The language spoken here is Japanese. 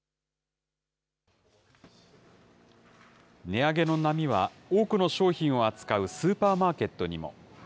値上げの波は、多くの商品を扱うスーパーマーケットにも。